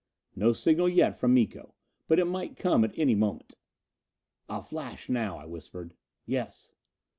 No signal yet from Miko. But it might come at any moment. "I'll flash now," I whispered. "Yes."